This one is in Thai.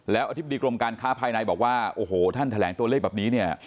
แล้วอธิบดีกรมการค้าภายในบอกว่าโอ้โหท่านแถลงตัวเลขแบบนี้เนี่ย